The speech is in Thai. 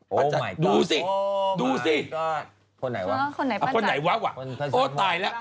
พรรจัฐดูสิดูสิคนไหนวะวะโอ้ยตายแล้ว